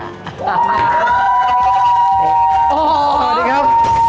สวัสดีครับ